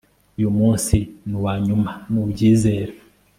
uyu munsi ni uwanyuma nubyizera